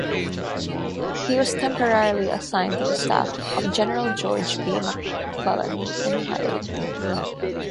He was temporarily assigned to the staff of General George B. McClellan in Ohio.